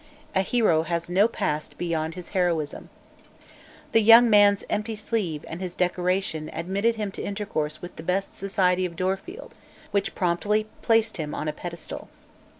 A hero has no past beyond his heroism. The young man's empty sleeve and his decoration admitted him to intercourse with the "best society" of Dorfield, which promptly placed him on a pedestal.